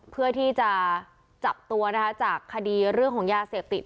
เพื่อที่จะจับตัวนะคะจากคดีเรื่องของยาเสพติด